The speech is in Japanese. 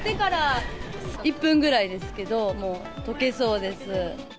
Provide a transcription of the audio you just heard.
１分ぐらいですけど、もうとけそうです。